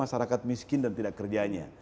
masyarakat miskin dan tidak kerjanya